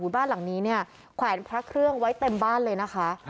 บ้านหลังนี้เนี่ยแขวนพระเครื่องไว้เต็มบ้านเลยนะคะ